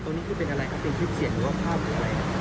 นี่คือเป็นอะไรครับเป็นคลิปเสียงหรือว่าภาพหรืออะไรครับ